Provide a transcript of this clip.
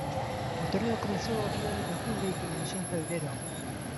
El torneo comenzó a finales de octubre y finalizó en febrero.